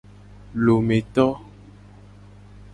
Lometo.